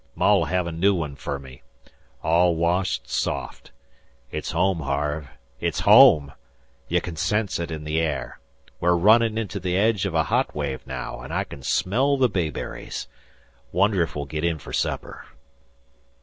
Ma'll hev a new one fer me, all washed soft. It's home, Harve. It's home! Ye can sense it in the air. We're runnin' into the aidge of a hot wave naow, an' I can smell the bayberries. Wonder if we'll get in fer supper.